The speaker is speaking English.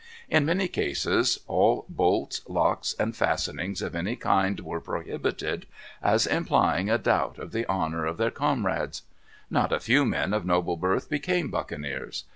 In many cases all bolts, locks, and fastenings of any kind were prohibited, as implying a doubt of the honor of their comrades. Not a few men of noble birth became buccaneers.